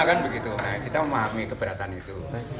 kita memahami keberatan itu